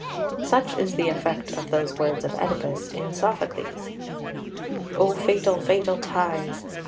3 Such is the effect of those words of Oedipus in Sophocles "Oh fatal, fatal ties!